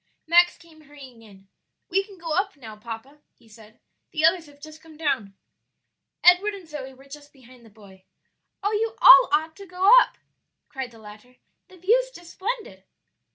Max came hurrying in. "We can go up now, papa," he said; "the others have come down." Edward and Zoe were just behind the boy. "Oh, you ought all to go up," cried the latter; "the view's just splendid."